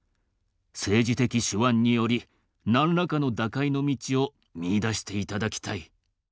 政治的手腕により何らかの打開の道を見いだして頂きたい。